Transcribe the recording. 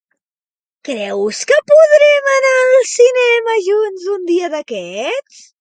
Creus que podrem anar al cinema junts un dia d'aquests?